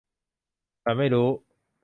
ฉันไม่รู้.